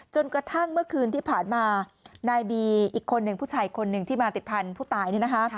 จนกระทั่งเมื่อคืนที่ผ่านมานายบีอีกคนหนึ่งผู้ชายคนหนึ่งที่มาติดพันธุ์ผู้ตายนี่นะคะ